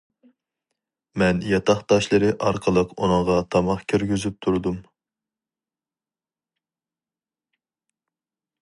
مەن ياتاقداشلىرى ئارقىلىق ئۇنىڭغا تاماق كىرگۈزۈپ تۇردۇم.